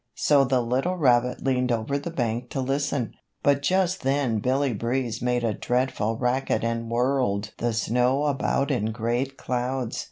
So the little rabbit leaned over the bank to listen, but just then Billy Breeze made a dreadful racket and whirled the snow about in great clouds.